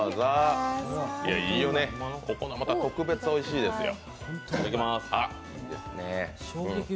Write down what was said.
いいよね、ここのはまた特別おいしいですよ。